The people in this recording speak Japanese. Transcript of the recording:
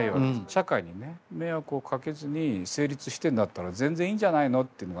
社会に迷惑をかけずに成立してるんだったら全然いいんじゃないのっていうのが。